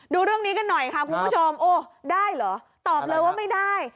ดูเรื่องนี้กันหน่อยค่ะคุณผู้ชมโอ้ได้เหรอตอบเลยว่าไม่ได้